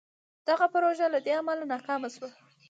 دغه پروژه له دې امله ناکامه شوه.